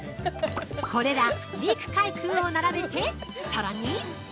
◆これら陸・海・空を並べてさらに！